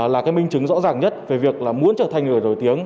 là minh chứng rõ ràng nhất về việc muốn trở thành người nổi tiếng